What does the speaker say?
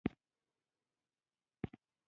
د غاړې امېل به یې شي.